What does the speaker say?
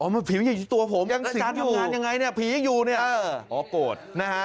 มันผีอยู่อยู่ตัวผมอาจารย์ทำงานยังไงผียังอยู่เนี่ยพอกด